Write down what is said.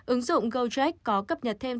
ứng dụng gojek có cập nhật thêm